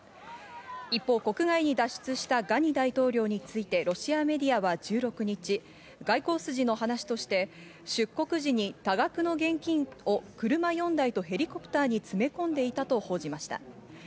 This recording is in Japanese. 一方、国外に脱出したガニ大統領についてロシアメディアは１６日、外交筋の話として出国時に多額の現金を車４台とヘリコプターに詰め込んでいたと報じました。